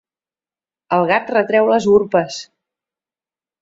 El gat retreu les urpes.